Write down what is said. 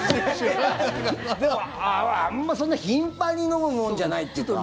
でも、あんま、そんな頻繁に飲むものじゃないというか。